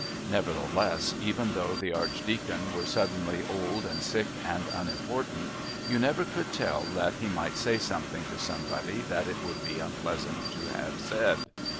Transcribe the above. Nevertheless, even though the Archdeacon were suddenly old and sick and unimportant, you never could tell but that he might say something to somebody that it would be unpleasant to have said.